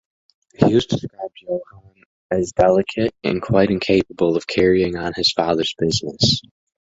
Hughes describes Johann as delicate and quite incapable of carrying on his father's business.